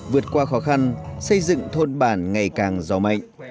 vượt qua khó khăn xây dựng thôn bản ngày càng giàu mạnh